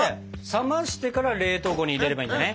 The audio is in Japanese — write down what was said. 冷ましてから冷凍庫に入れればいいんだね？